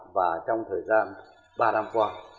và trong thời gian ba năm qua